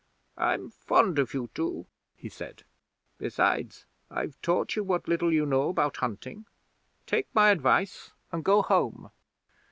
"I'm fond of you two," he said. "Besides, I've taught you what little you know about hunting. Take my advice and go home."